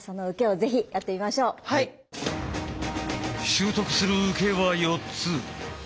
習得する「受け」は４つ。